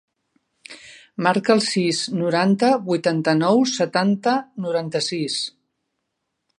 Marca el sis, noranta, vuitanta-nou, setanta, noranta-sis.